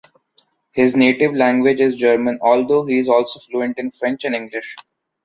His native language is German, although he is also fluent in French and English.